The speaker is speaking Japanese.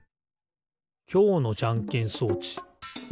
きょうのじゃんけん装置。